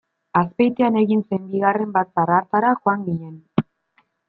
Azpeitian egin zen bigarren batzar hartara joan ginen.